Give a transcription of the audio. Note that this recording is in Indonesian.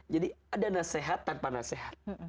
jadi ada nasehat tanpa nasehat